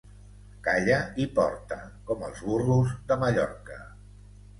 Calla i porta, com els burros de Mallorca.